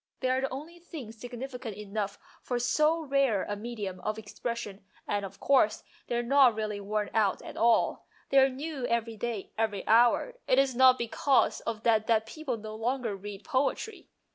They are the only things significant enough for so rare a medium of expression, and, of course, they are not really worn out at all. They are new every day, every hour. It is not because of that that people no longer read poetry."